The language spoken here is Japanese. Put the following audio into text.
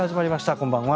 こんばんは。